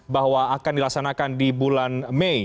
bahwa akan dilaksanakan di bulan mei